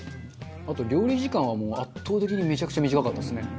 あと料理時間は、圧倒的にめちゃくちゃ短かったですね。